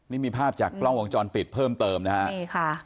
นี่มีภาพจากกล้องวงจรปิดเพิ่มเติมนะฮะนี่ค่ะ